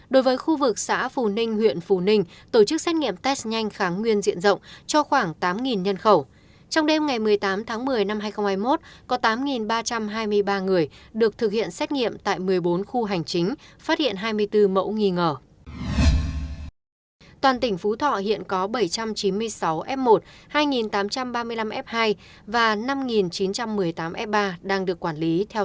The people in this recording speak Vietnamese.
đối với khu vực xã phù ninh huyện phù ninh tổ chức xét nghiệm test nhanh kháng nguyên diện rộng cho khoảng tám nhân khẩu trong đêm ngày một mươi tám tháng một mươi năm hai nghìn hai mươi một có tám ba trăm hai mươi ba người được thực hiện xét nghiệm tại một mươi bốn khu hành chính phát hiện hai mươi bốn mẫu nghi ngờ